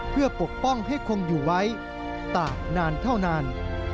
เพื่อปกป้องให้คงอยู่ไว้ต่างนานเท่านาน